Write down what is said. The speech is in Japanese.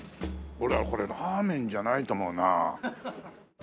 俺はこれラーメンじゃないと思うな。